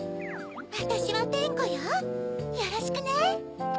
わたしはペンコよよろしくね。